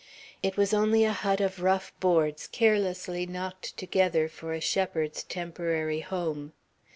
It was only a hut of rough boards, carelessly knocked together for a shepherd's temporary home.